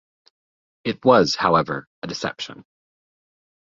It was, however, a deception.